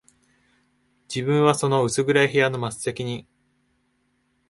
自分はその薄暗い部屋の末席に、